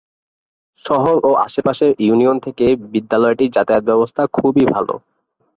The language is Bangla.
শহর ও আশেপাশের ইউনিয়ন থেকে বিদ্যালয়টির যাতায়াত ব্যবস্থা খুবই ভালো।